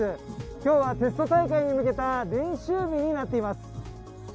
今日はテスト大会に向けた練習日になっています。